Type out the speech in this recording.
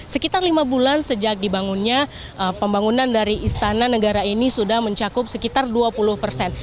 sekitar lima bulan sejak dibangunnya pembangunan dari istana negara ini sudah mencakup sekitar dua puluh persen